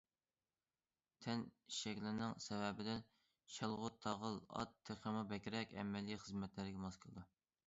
تەن شەكلىنىڭ سەۋەبىدىن شالغۇت تاغىل ئات تېخىمۇ بەكرەك ئەمەلىي خىزمەتلەرگە ماس كېلىدۇ.